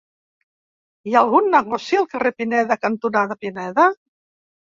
Hi ha algun negoci al carrer Pineda cantonada Pineda?